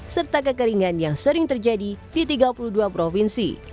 serta kekeringan yang sering terjadi di tiga puluh dua provinsi